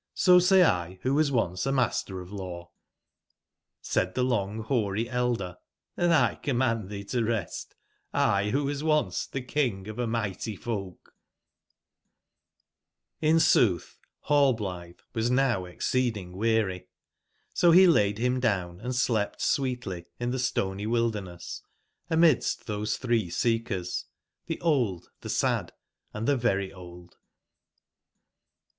So say X, who was on ce a master of law "j^Said the long/hoary elder:'' HndX command thee to rest; X who was once the king of a mighty folk/' ^^g]S sooth Rallblithe was now exceeding weary; 31^ so he laid him down and slept sweetly in the ^^1 stony wilderness amidst those three seekers, the old, the sa d, and the very old.